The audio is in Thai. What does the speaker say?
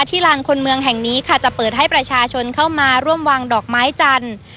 ลานคนเมืองแห่งนี้ค่ะจะเปิดให้ประชาชนเข้ามาร่วมวางดอกไม้จันทร์